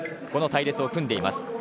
この隊列を組んでいます。